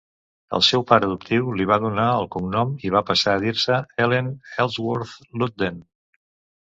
El seu pare adoptiu li va donar el cognom i va passar a dir-se Allen Ellsworth Ludden.